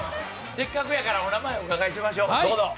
せっかくやから、お名前お伺いしましょう。